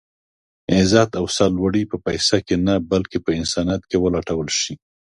عزت او سر لوړي په پيسه کې نه بلکې په انسانيت کې ولټول شي.